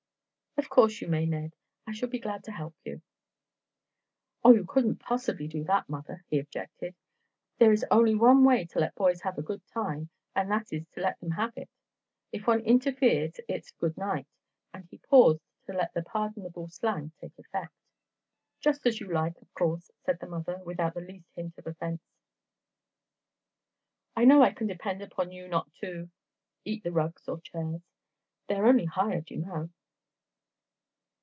"Of course you may, Ned. I shall be glad to help you." "Oh, you couldn't possibly do that, mother," he objected. "There is only one way to let boys have a good time and that is to let them have it. If one interferes it's 'good night'," and he paused to let the pardonable slang take effect. "Just as you like, of course," said the mother, without the least hint of offence. "I know I can depend upon you not to—eat the rugs or chairs. They are only hired, you know."